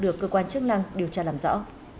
được cơ quan chức năng điều tra làm rõ